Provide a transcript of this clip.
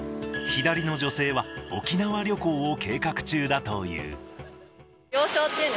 左の女性は沖縄旅行を計画中だという。